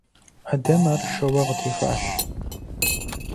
Адэм ар шэуэ къытехуащ.